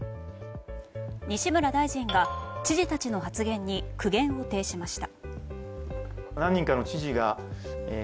西村大臣が、知事たちの発言に苦言を呈しました。